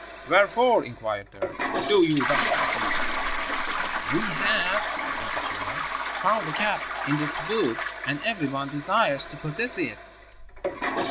'Wherefore,' inquired they, 'do you thus dispute?' "'We have,' said the children, 'found a cap in this wood, and every one desires to possess it.'